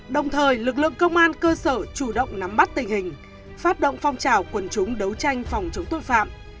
đồng thời lực lượng công an cơ sở chủ động nắm bắt tình hình phát động phong trào quần chúng đấu tranh phòng chống tội phạm